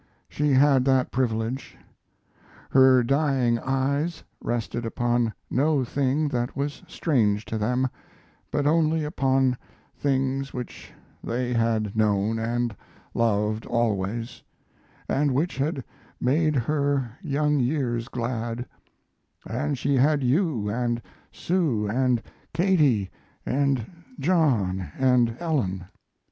She had that privilege. Her dying eyes rested upon no thing that was strange to them, but only upon things which they had known & loved always & which had made her young years glad; & she had you & Sue & Katie && John & Ellen.